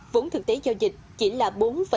vốn thực tế giao dịch chỉ là